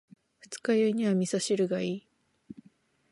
二日酔いには味噌汁がいい。